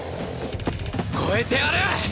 越えてやる！